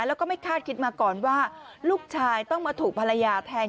แล้วก็ไม่คาดคิดมาก่อนว่าลูกชายต้องมาถูกภรรยาแทง